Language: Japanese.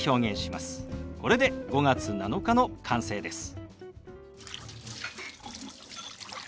これで「５月７日」の完成です。